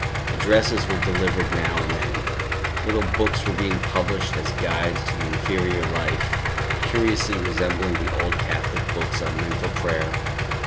Addresses were delivered now and then; little books were being published as guides to the interior life, curiously resembling the old Catholic books on mental prayer.